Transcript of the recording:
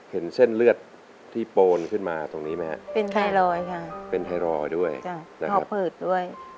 เห็นเส้นเลือดที่โปนขึ้นมาตรงนี้ไหมฮะเป็นไทรอยด์ค่ะเป็นไทรอยด์ด้วยนะครับผืดด้วย